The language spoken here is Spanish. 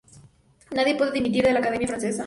Nadie puede dimitir de la Academia Francesa.